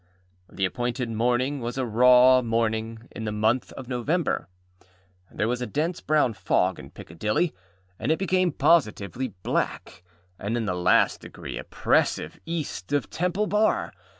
The appointed morning was a raw morning in the month of November. There was a dense brown fog in Piccadilly, and it became positively black and in the last degree oppressive East of Temple Bar.